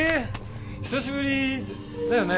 久しぶりだよね？